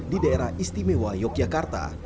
di daerah istimewa yogyakarta